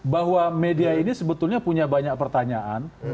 bahwa media ini sebetulnya punya banyak pertanyaan